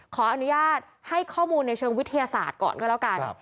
ขออนุญาตให้ข้อมูลในเชิงวิทยาศาสตร์ก่อนก็แล้วกัน